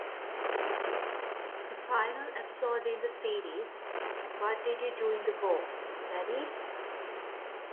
The final episode in the series, 'What Did You Do in the War, Daddy?